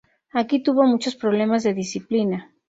Aquí tuvo muchos problemas de disciplina.